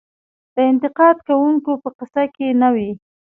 د انتقاد کوونکو په قصه کې نه وي .